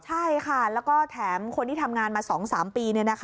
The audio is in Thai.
ใช่ค่ะแล้วก็แถมคนที่ทำงานมา๒๓ปี